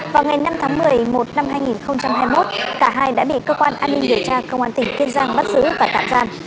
vào ngày năm tháng một mươi một năm hai nghìn hai mươi một cả hai đã bị cơ quan an ninh điều tra công an tỉnh kiên giang bắt giữ và tạm giam